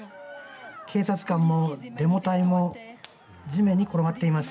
警察官もデモ隊も地面に転がっています。